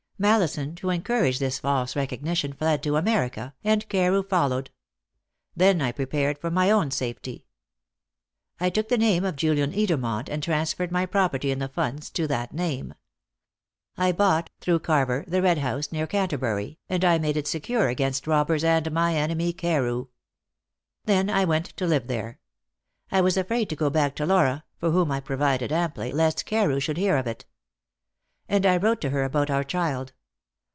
Mallison, to encourage this false recognition, fled to America, and Carew followed. Then I prepared for my own safety. "'I took the name of Julian Edermont, and transferred my property in the funds to that name. I bought, through Carver, the Red House, near Canterbury, and I made it secure against robbers and my enemy Carew. Then I went to live there. I was afraid to go back to Laura for whom I provided amply lest Carew should hear of it. And I wrote to her about our child.